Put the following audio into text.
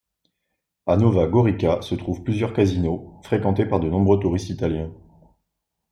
À Nova Gorica se trouvent plusieurs casinos, fréquentés par de nombreux touristes italiens.